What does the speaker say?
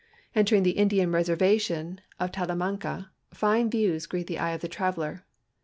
Entering the Indian reservation of Talamanca, fine views greet the eye of the traveler.